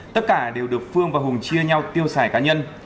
tất cả đều được phương và hùng chia nhau tiêu xài cá nhân